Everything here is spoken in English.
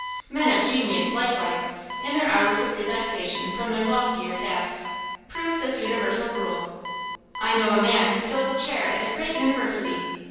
Men of genius, likewise, in their hours of relaxation from their loftier tasks, prove this universal rule. I know a man who fills a chair at a great university.